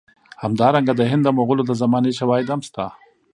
همدارنګه د هند د مغولو د زمانې شواهد هم شته.